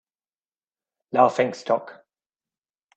Laughing stock